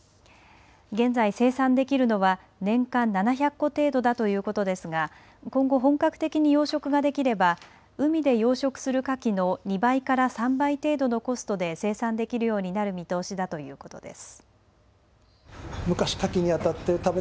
現在、生産できるのは年間７００個程度だということですが今後、本格的に養殖ができれば海で養殖するかきの２倍から３倍程度のコストで生産できるようになる見通しだということです。